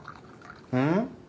うん？